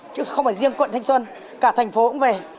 chứ không phải riêng quận thanh xuân cả thành phố cũng về